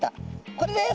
これです！